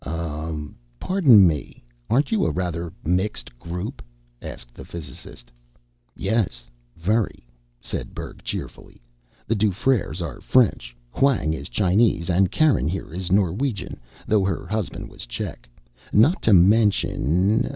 "Ummm pardon me, aren't you a rather mixed group?" asked the physicist. "Yes, very," said Berg cheerfully. "The Dufreres are French, Hwang is Chinese, and Karen here is Norwegian though her husband was Czech. Not to mention....